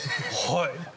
はい。